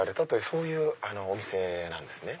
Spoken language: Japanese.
そういうお店なんですね。